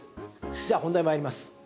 じゃあ本題に参ります。